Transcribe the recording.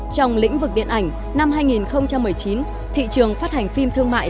trong lĩnh vực điện ảnh năm hai nghìn một mươi chín thị trường phát hành phim thương mại